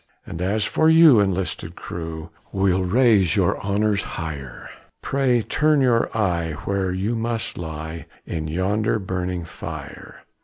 "And as for you, enlisted crew, We'll raise your honors higher: Pray turn your eye, where you must lie, In yonder burning fire."